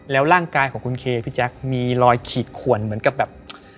แล้วร่างกายของคุณเคพี่แจ๊คมีรอยขีดขวนเหมือนกับแบบ